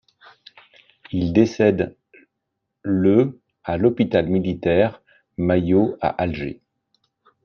Il décède le à l'hôpital militaire Maillot à Alger.